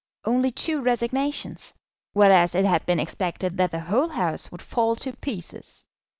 Only two resignations; whereas it had been expected that the whole House would fall to pieces!